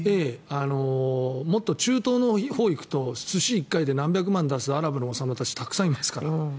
もっと中東のほうに行くと寿司１回で何百万出すアラブの王様たちたくさんいますから。